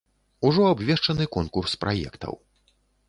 Ужо абвешчаны конкурс праектаў.